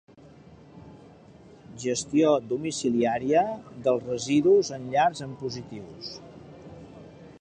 Gestió domiciliària dels residus en llars amb positius.